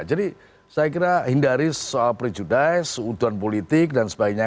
jadi saya kira hindari soal prejudai seutuan politik dan sebagainya